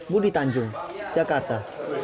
budi tanjung jakarta